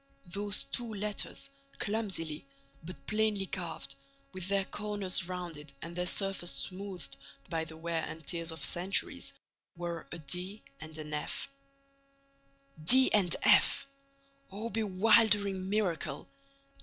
Those two letters, clumsily, but plainly carved, with their corners rounded and their surface smoothed by the wear and tear of centuries, were a D and an F. D and F! Oh, bewildering miracle!